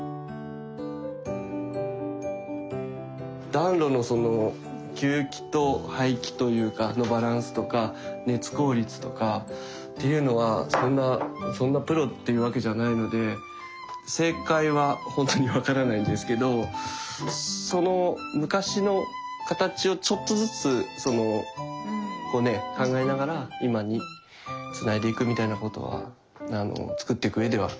暖炉のその吸気と排気のバランスとか熱効率とかっていうのはそんなそんなプロっていうわけじゃないので正解はほんとに分からないんですけどその昔の形をちょっとずつ考えながら今につないでいくみたいなことは造っていく上では考えていきましたけど。